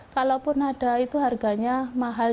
kalaupun ada itu harganya mahal